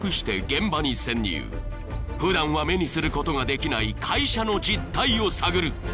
［普段は目にすることができない会社の実態を探る］